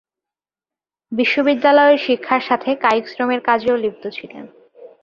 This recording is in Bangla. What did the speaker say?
বিশ্ববিদ্যালয়ের শিক্ষার সাথে কায়িক শ্রমের কাজেও লিপ্ত ছিলেন।